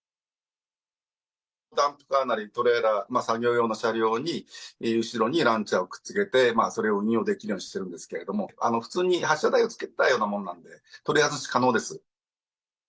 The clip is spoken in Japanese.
ダンプカーなりトレーラー、作業用の車両に後ろにランチャーをくっつけて、それを運用できるようにしてるんですけれども、普通に発射台をつけたようなものなんで、取り外し可能です。